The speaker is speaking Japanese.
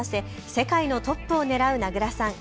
世界のトップをねらう名倉さん。